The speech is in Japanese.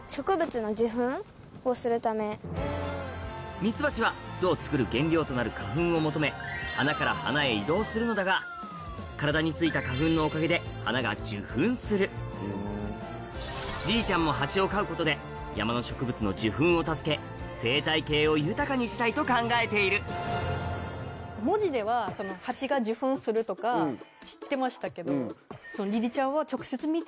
ミツバチは巣を作る原料となる花粉を求め花から花へ移動するのだが体に付いた花粉のおかげで花が受粉するリリちゃんもハチを飼うことで山の植物の受粉を助け生態系を豊かにしたいと考えているだろうなと思って。